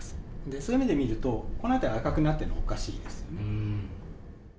そういう意味で見るとこの辺りが赤くなっているのはおかしいですね。